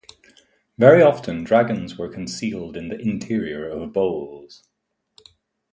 Very often dragons were concealed in the interior of bowls.